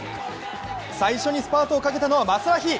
最初にスパートをかけたのはマスラヒ。